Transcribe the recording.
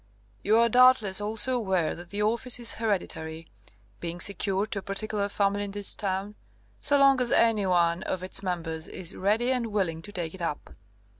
You are doubtless also aware that the office is hereditary, being secured to a particular family in this town, so long as any one of its members is ready and willing to take it up.